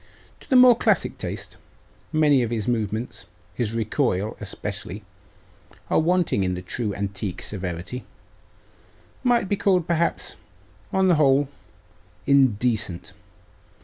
To the more classic taste, many of his movements his recoil, especially are wanting in the true antique severity might be called, perhaps, on the whole, indecent.